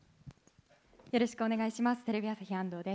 よろしくお願いします。